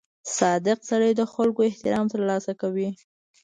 • صادق سړی د خلکو احترام ترلاسه کوي.